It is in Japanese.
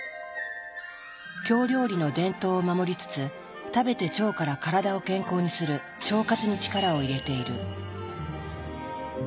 京料理の伝統を守りつつ食べて腸から体を健康にする「腸活」に力を入れている。